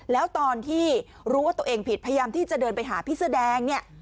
แล้วตอนที่รู้ว่าตัวเองผิดพยายามที่จะเดินไปหาพี่เสื้อแดงเนี่ย